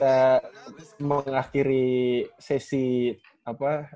kita mau ngakhiri sesi apa